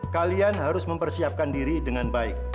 kalian harus mempersiapkan diri dengan baik